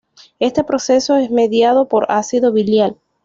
Este proceso es mediado por ácido biliar.